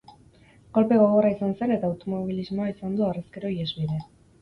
Kolpe gogorra izan zen eta automobilismoa izan du harrezkero ihesbide.